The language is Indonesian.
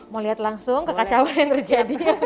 mau lihat langsung kekacauan yang terjadi